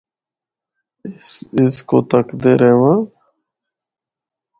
اس کو تَکدے رہواں۔